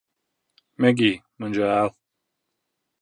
Megij, man žēl